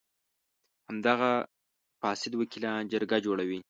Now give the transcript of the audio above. همدغه فاسد وکیلان جرګه جوړوي.